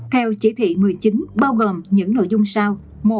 theo chỉ thị một mươi chín bao gồm những nội dung sao